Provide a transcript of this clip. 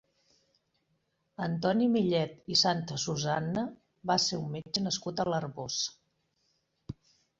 Antoni Millet i Santasusanna va ser un metge nascut a l'Arboç.